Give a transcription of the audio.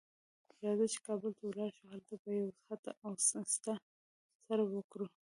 راځه چې کابل ته ولاړ شو؛ هلته به یوه هټه او سټه سره وکړو.